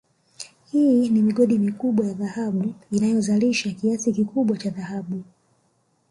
Hii ni migodi mikubwa ya dhahabu inayozalisha kiasi kikubwa cha dhahabu